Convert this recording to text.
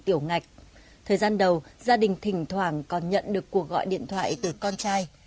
tiểu ngạch thời gian đầu gia đình thỉnh thoảng còn nhận được cuộc gọi điện thoại từ con trai